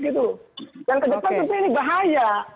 yang ke depan ini bahaya